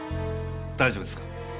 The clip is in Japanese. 大丈夫ですか？